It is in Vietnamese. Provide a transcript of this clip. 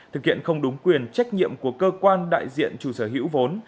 thực hiện không đúng quyền trách nhiệm của cơ quan đại diện chủ sở hữu vốn